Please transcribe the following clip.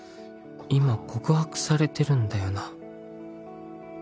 今告白されてるんだよな？